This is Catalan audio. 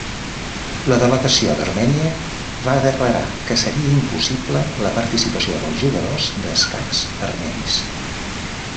La delegació d'Armènia va declarar que seria impossible la participació dels jugadors d'escacs armenis.